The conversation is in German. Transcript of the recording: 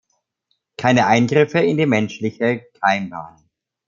Keine Eingriffe in die menschliche Keimbahn.